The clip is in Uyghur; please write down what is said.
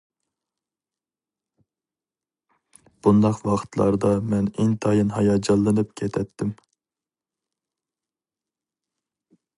بۇنداق ۋاقىتلاردا مەن ئىنتايىن ھاياجانلىنىپ كېتەتتىم.